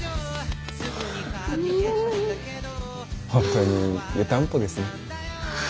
本当に湯たんぽですね。